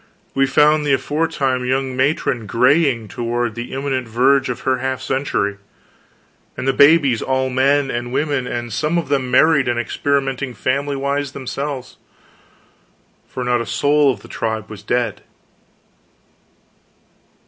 we found the aforetime young matron graying toward the imminent verge of her half century, and the babies all men and women, and some of them married and experimenting familywise themselves for not a soul of the tribe was dead!